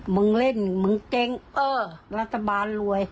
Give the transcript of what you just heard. มึงเล่นมึงเกงเออรัฐบาลรวย